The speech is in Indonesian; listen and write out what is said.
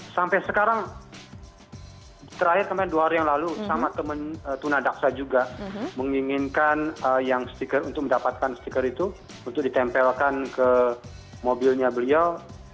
sampai sekarang terakhir kemarin dua hari yang lalu sama teman tunadaksa juga menginginkan yang stiker untuk mendapatkan stiker itu untuk ditempelkan ke mobilnya beliau